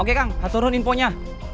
oke kang aturin infonya